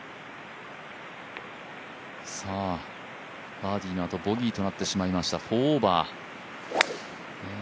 バーディーのあとボギーとなってしまいました４オーバー。